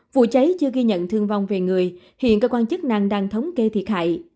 vụ cháy chưa ghi nhận thương vong về người hiện cơ quan chức năng đang thống kê thiệt hại